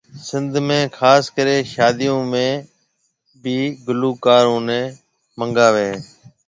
سنڌ ۾ خاص ڪري شاديون ۾ بي گلوڪارون ني منگاوي هي